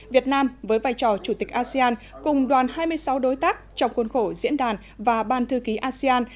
việt nam với vai trò chủ tịch asean cùng đoàn hai mươi sáu đối tác trong khuôn khổ diễn đàn và ban thư ký asean